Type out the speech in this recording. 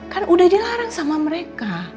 kan udah dilarang sama mereka